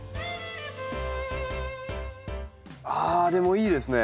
ああでもいいですね。